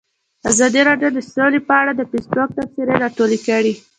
ازادي راډیو د سوله په اړه د فیسبوک تبصرې راټولې کړي.